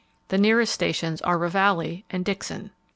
The nearest stations are Ravalli and Dixon.